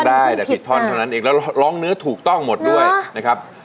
ได้แต่ผิดท่อนเท่านั้นเองแล้วร้องเนื้อถูกต้องหมดด้วยนะครับ